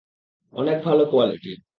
অনেক ভালো কোয়ালিটি।